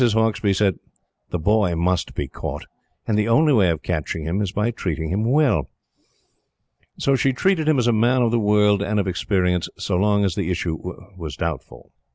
Hauksbee said: "The boy must be caught; and the only way of catching him is by treating him well." So she treated him as a man of the world and of experience so long as the issue was doubtful.